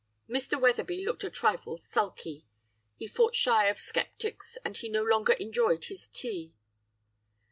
"Mr. Wetherby looked a trifle sulky; he fought shy of sceptics, and he no longer enjoyed his tea.